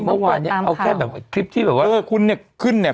เอาแค่แบบทริปที่แบบว่าเออคุณเนี้ยขึ้นเนี้ย